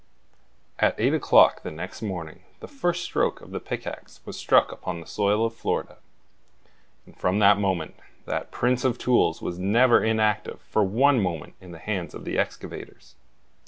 At eight o'clock the next morning the first stroke of the pickaxe was struck upon the soil of Florida; and from that moment that prince of tools was never inactive for one moment in the hands of the excavators.